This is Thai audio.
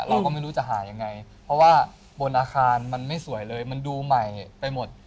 เราก็ไม่รู้จะหายังไงเพราะว่าบนอาคารมันไม่สวยเลยมันดูใหม่ไปหมด